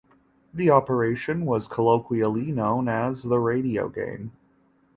The operation was colloquially known as the 'radio game'.